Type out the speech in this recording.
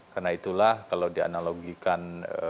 karena itulah kalau dianalogikan